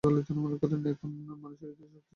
এখন মানুষের হৃদয়ে একটু ভালবাসা জাগিল।